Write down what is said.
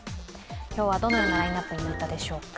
今日はどのようなラインナップになったでしょうか。